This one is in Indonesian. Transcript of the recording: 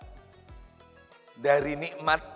yang kedua bersabar dari nikmat